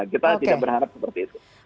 kita tidak berharap seperti itu